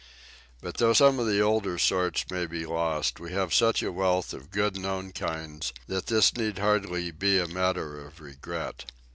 But though some of the older sorts may be lost, we have such a wealth of good known kinds that this need hardly be a matter of regret.